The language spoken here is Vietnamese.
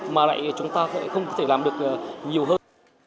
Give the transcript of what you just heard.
mà lại chúng ta không có thể làm được nhiều hơn